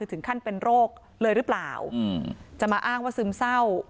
ถึงขั้นเป็นโรคเลยหรือเปล่าจะมาอ้างว่าซึมเศร้า